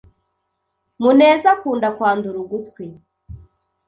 Muneza akunda kwandura ugutwi.